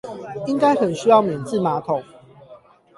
應該很需要免治馬桶